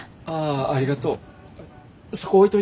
ああありがとう。